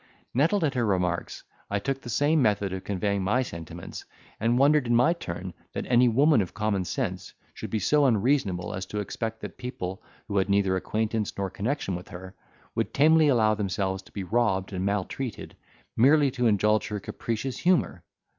Nettled at her remarks, I took the same method of conveying my sentiments, and wondered in my turn, that any woman of common sense should be so unreasonable as to expect that people, who had neither acquaintance nor connection with her, would tamely allow themselves to be robbed and maltreated, merely to indulge her capricious humour.